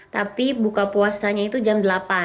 tapi buka puasanya itu jam delapan